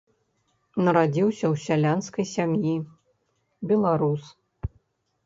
Нарадзіўся ў сялянскай сям'і, беларус.